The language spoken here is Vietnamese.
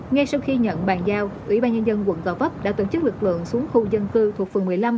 ngay sau khi nhận bàn giao ủy ban nhân dân quận gò vấp đã tổ chức lực lượng xuống khu dân cư thuộc phường một mươi năm